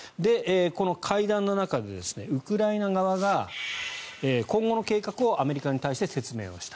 この会談の中でウクライナ側が今後の計画をアメリカに対して説明した。